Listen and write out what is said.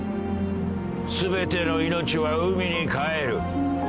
「全ての命は海に還る」